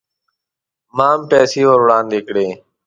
ما هم پیسې ور وړاندې کړې.